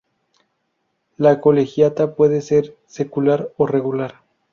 La colegiata puede ser secular o regular.